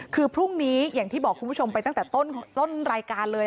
คือพรุ่งนี้อย่างที่บอกคุณผู้ชมไปตั้งแต่ต้นรายการเลย